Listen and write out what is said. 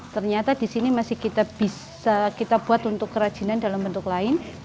ternyata di sini masih kita bisa kita buat untuk kerajinan dalam bentuk lain